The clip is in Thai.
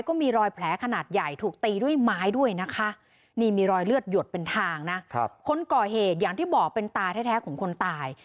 ก็มีรอยแผลขนาดใหญ่ถูกตีด้วยไม้ด้วยนะคะนี่มีรอยเลือดหยดเป็นทางนะคนก่อเหตุอย่างที่บอกเป็นตาแท้ของคนตาย